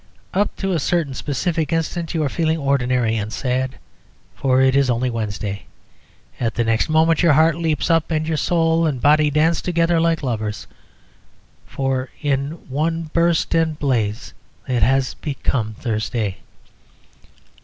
Up to a certain specific instant you are feeling ordinary and sad; for it is only Wednesday. At the next moment your heart leaps up and your soul and body dance together like lovers; for in one burst and blaze it has become Thursday.